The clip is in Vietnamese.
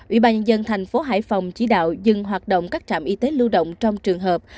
ubnd thành phố hải phòng chỉ đạo dừng hoạt động các trạm y tế lưu động trong trường hợp